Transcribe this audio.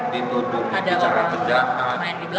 dituduh bicara kejahatan